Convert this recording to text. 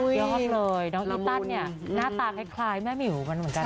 ยอดเลยน้องอีตันเนี่ยหน้าตาคล้ายแม่หมิวมันเหมือนกัน